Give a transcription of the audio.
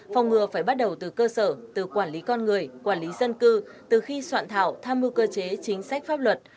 phòng ngừa phải bắt đầu từ cơ sở từ quản lý con người quản lý dân cư từ khi soạn thảo tham mưu cơ chế chính sách pháp luật